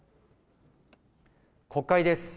国会です。